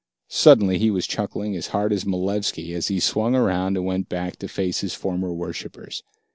Suddenly, he was chuckling as hard as Malevski as he swung around and went back to face his former worshippers.